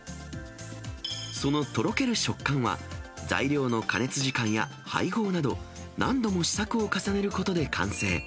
そのとろける食感は、材料の加熱時間や配合など、何度も試作を重ねることで完成。